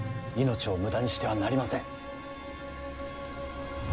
命を無駄にしてはなりません。